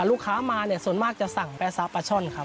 ลูกค้ามาส่วนมากจะสั่งแป๊สะปาช่อนครับ